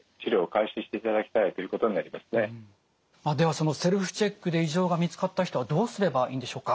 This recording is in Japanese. そのセルフチェックで異常が見つかった人はどうすればいいんでしょうか？